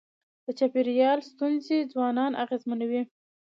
د چاپېریال ستونزي ځوانان اغېزمنوي.